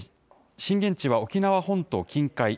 震源地は沖縄本島近海。